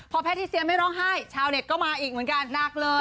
พอแพทิเซียไม่ร้องไห้ชาวเน็ตก็มาอีกเหมือนกันหนักเลย